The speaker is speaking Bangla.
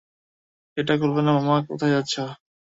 এটা খুলবে না--- মামা, কোথায় যাচ্ছো?